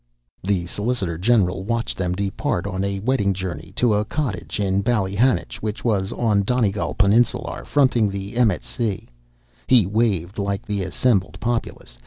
The solicitor general watched them depart on a wedding journey to a cottage in Ballyhanninch, which was on Donegal Peninsular, fronting on the Emmett Sea. He waved, like the assembled populace.